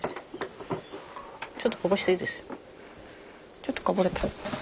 ちょっとこぼれた。